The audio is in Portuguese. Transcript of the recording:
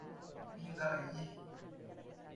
Pindaí